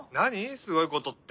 すごいことって。